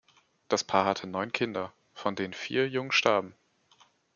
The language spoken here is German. Das Paar hatte neun Kinder, von denen vier jung starben.